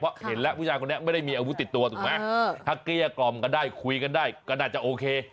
เพราะเห็นแล้วผู้ชายคนนี้ไม่ได้มีอาวุธติดตัวถูกไหมถ้าเกลี้ยกล่อมกันได้คุยกันได้ก็น่าจะโอเค